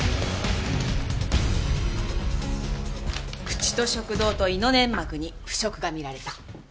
口と食道と胃の粘膜に腐食が見られた。